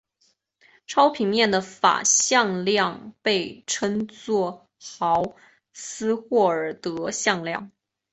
超平面的法向量被称作豪斯霍尔德向量。